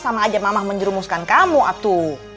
sama aja mamah menjerumuskan kamu abtu